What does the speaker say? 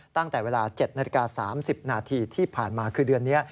ตั้งแต่เวลา๗นาฬิกา๓๐นาทีที่ผ่านมาคือเดือนนี้